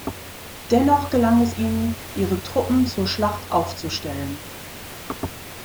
Dennoch gelang es ihnen, ihre Truppen zur Schlacht aufzustellen.